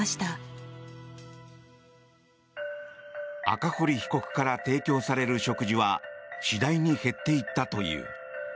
赤堀被告から提供される食事は次第に減っていったという。